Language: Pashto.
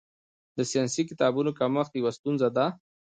د ساینسي کتابونو کمښت یوه ستونزه ده.